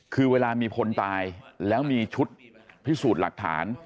คือเวลามีคนตายแล้วมีชุดพิสูจน์หลักฐาน